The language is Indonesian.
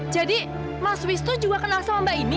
jadi mas wisno juga kenal sama mbak ini